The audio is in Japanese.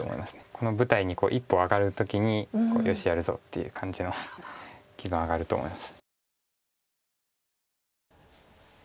この舞台に一歩上がる時に「よしやるぞ」っていう感じの気分上がると思います。